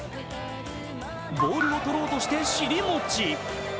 ボールを取ろうとして尻餅。